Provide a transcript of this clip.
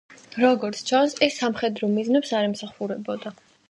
როგორც ჩანს, ის სამხედრო მიზნებს არ ემსახურებოდა.